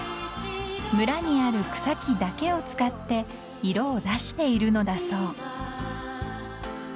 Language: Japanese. ［村にある草木だけを使って色を出しているのだそう］